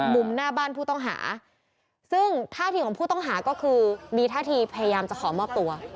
มุมหน้าบ้านผู้ต้องหาซึ่งท่าทีของผู้ต้องหาก็คือมีท่าทีพยายามจะขอมอบตัว